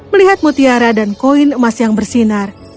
melihat mutiara dan koin emas yang bersinar